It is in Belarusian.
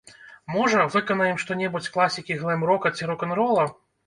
Можа, выканаем што-небудзь з класікі глэм-рока ці рок-н-рола.